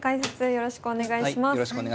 よろしくお願いします。